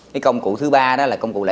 cái công cụ thứ ba đó là công cụ lãi suất